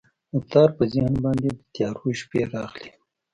د تار په ذهن باندې، د تیارو شپې راغلي